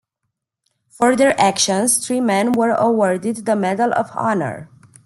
For their actions, three men were awarded the Medal of Honor.